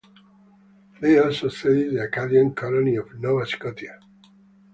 They also ceded the Acadian colony of Nova Scotia.